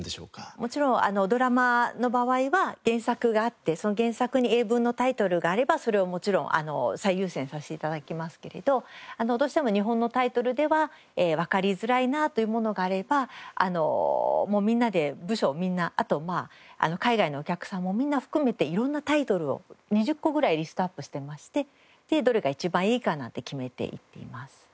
もちろんドラマの場合は原作があってその原作に英文のタイトルがあればそれをもちろん最優先させて頂きますけれどどうしても日本のタイトルではわかりづらいなというものがあればもうみんなで部署みんなあと海外のお客さんもみんな含めて色んなタイトルを２０個ぐらいリストアップしてまして「どれが一番いいか」なんて決めていっています。